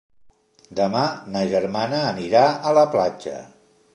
Demà ma germana anirà a la platja.